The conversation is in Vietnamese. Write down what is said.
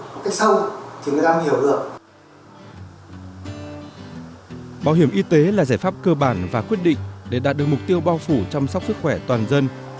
với hệ thống bảo hiểm y tế chúng ta cũng đã làm tương đối tốt với công tác tuyên truyền